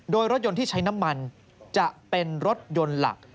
โดยรถยนต์ที่ใช้น้ำมันจะเป็นรถยนต์หลัก